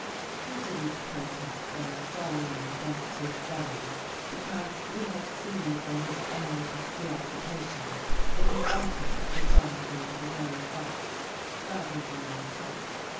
We didn't protest very strongly against his going, 205 THE GHOST GIRL because we had seen from his air of preoccupation that he wanted the solitude of his own thoughts, rather than our talk.